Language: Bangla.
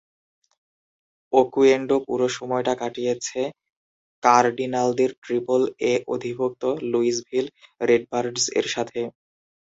ওকুয়েন্ডো পুরো সময়টা কাটিয়েছে কার্ডিনালদের ট্রিপল এ অধিভুক্ত লুইসভিল রেডবার্ডস এর সাথে।